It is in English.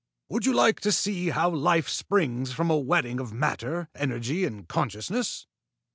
"Would you like to see how life springs from a wedding of matter, energy, and consciousness?"